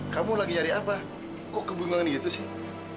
kamu lagi nyari apa kok kebenangan gitu sih